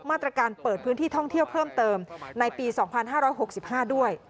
มาตรการเปิดพื้นที่ท่องเที่ยวเพิ่มเติมในปี๒๕๖๕ด้วย